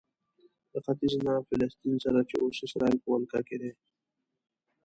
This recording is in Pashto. له ختیځ نه له فلسطین سره چې اوس اسراییل په ولکه کې دی.